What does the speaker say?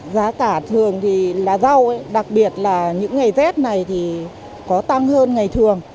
giá cả thường thì là rau đặc biệt là những ngày rét này thì có tăng hơn ngày thường